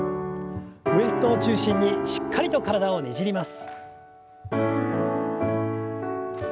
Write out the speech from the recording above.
ウエストを中心にしっかりと体をねじります。